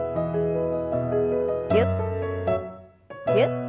ぎゅっぎゅっ。